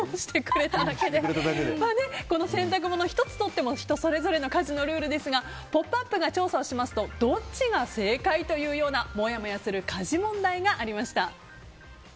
この洗濯物１つとっても人それぞれの家事のルールですが「ポップＵＰ！」が調査をするとどっちが正解というようなもやもやする家事問題がありました。